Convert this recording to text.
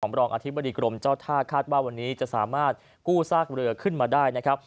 รองอธิบดีกรมเจ้าท่าคาดว่าวันนี้จะสามารถกู้ซากเรือขึ้นมาได้นะครับ